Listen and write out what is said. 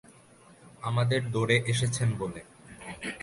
আমাদের দোরে এসেছেন বলে।